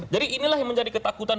jadi inilah yang menjadi ketakutan